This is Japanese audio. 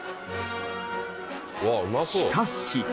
しかし。